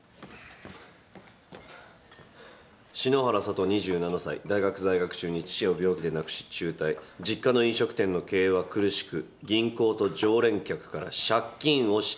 「篠原佐都２７歳」「大学在学中に父を病気で亡くし中退」「実家の飲食店の経営は苦しく銀行と常連客から借金をしている」